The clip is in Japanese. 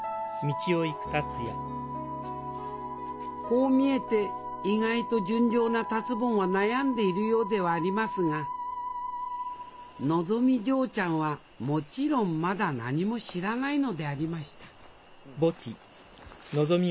こう見えて意外と純情な達ぼんは悩んでいるようではありますがのぞみ嬢ちゃんはもちろんまだ何も知らないのでありました